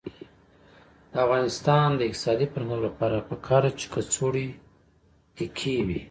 د افغانستان د اقتصادي پرمختګ لپاره پکار ده چې کڅوړې تکې وي.